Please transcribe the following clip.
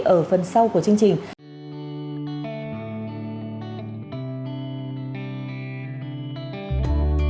ở phần sau của chương trình